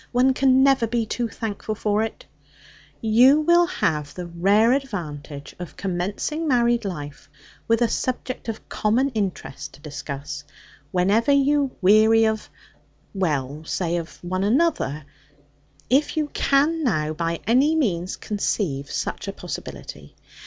one can never be too thankful for it) you will have the rare advantage of commencing married life, with a subject of common interest to discuss, whenever you weary of well, say of one another; if you can now, by any means, conceive such a possibility.